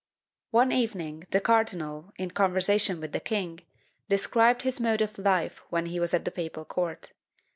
One evening the cardinal, in conversation with the king, described his mode of life when at the papal court.